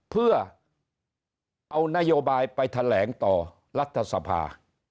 เพื่อเอานโยบายไปแถลงต่อรัฐสภา